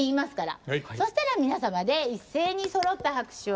そしたら皆様で一斉にそろった拍手を。